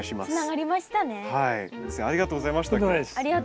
先生ありがとうございました今日。